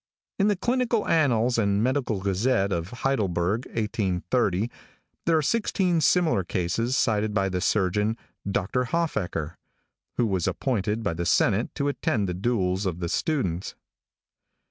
In the Clinical Annals and Medical Gazette, of Heidelberg, 1830, there are sixteen similar cases cited by the surgeon (Dr. Hofacker) who was appointed by the senate to attend the duels of the students.